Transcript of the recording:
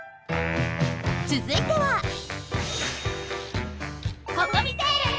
つづいてはココミテール！